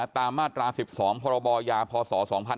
ตามมาตรา๑๒พยพศ๒๕๑๐